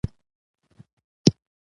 چترال